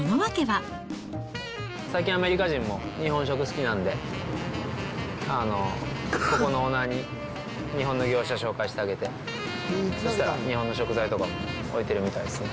最近、アメリカ人も日本食好きなんで、ここのオーナーに日本の業者紹介してあげて、そしたら、日本の食材とかも置いてるみたいっすね。